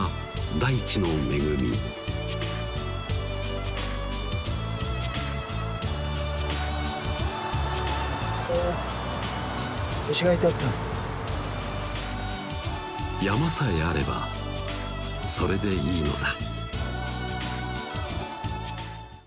大地の恵み山さえあればそれでいいのだ